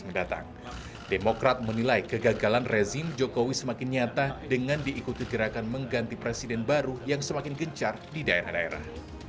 demokrat menilai kegagalan rezim jokowi semakin nyata dengan diikuti gerakan mengganti presiden baru yang semakin gencar di daerah daerah